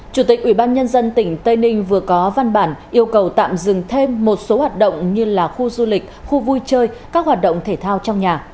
chủ tịch ubnd tỉnh tây ninh vừa có văn bản yêu cầu tạm dừng thêm một số hoạt động như là khu du lịch khu vui chơi các hoạt động thể thao trong nhà